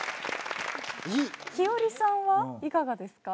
ひよりさんはいかがですか？